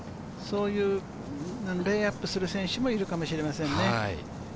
レイアップする選手もいるかもしれませんね。